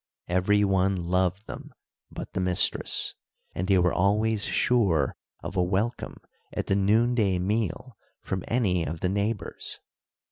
Every one loved them but the mistress, and they were always sure of a welcome at the noon day meal from any of the neighbors.